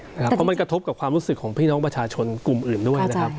เพราะมันกระทบกับความรู้สึกของพี่น้องประชาชนกลุ่มอื่นด้วยนะครับ